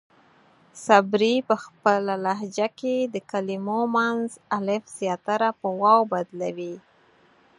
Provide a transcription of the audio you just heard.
صبري پۀ خپله لهجه کې د کلمو منځ الف زياتره پۀ واو بدلوي.